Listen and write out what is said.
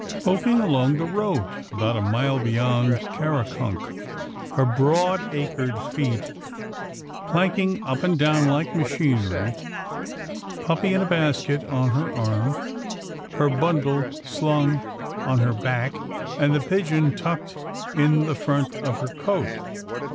" Poking along the road about a mile beyond Karakunk — her broad acred feet planking up and down like machinery, puppy in a basket on her arm, her bundle slung on her back, and the pigeon tucked in the front of her coat.